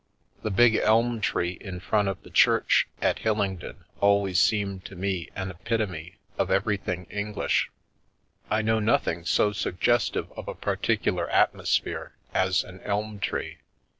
The big elm tree in front of the church at Hillingdon always seems to me an epitome of everything English — I know nothing so suggestive of a particular atmosphere as an elm tree.